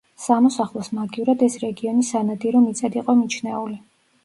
სამოსახლოს მაგივრად ეს რეგიონი სანადირო მიწად იყო მიჩნეული.